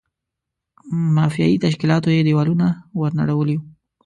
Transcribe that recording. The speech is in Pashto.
مافیایي تشکیلاتو یې دېوالونه ور نړولي.